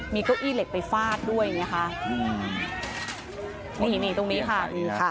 มีเก้าอี้เหล็กไปฟาดด้วยนะคะนี่ตรงนี้ค่ะ